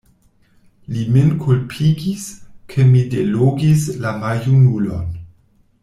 Li min kulpigis, ke mi delogis la maljunulon.